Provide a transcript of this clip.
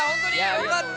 よかった。